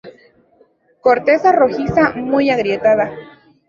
Corteza rojiza muy agrietada.